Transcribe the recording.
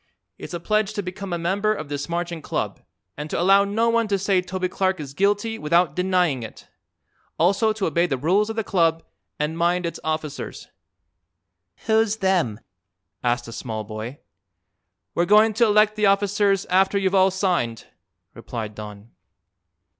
It's a pledge to become a member of this Marching Club and to allow no one to say Toby Clark is guilty without denying it. Also to obey the rules of the Club and mind its officers." "Who's them?" asked a small boy. "We're going to elect the officers after you've all signed," replied Don.